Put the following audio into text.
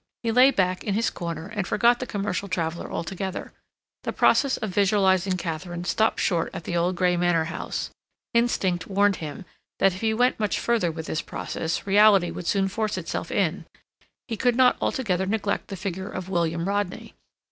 He lay back in his corner and forgot the commercial traveler altogether. The process of visualizing Katharine stopped short at the old gray manor house; instinct warned him that if he went much further with this process reality would soon force itself in; he could not altogether neglect the figure of William Rodney.